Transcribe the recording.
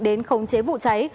đến khống chế vụ cháy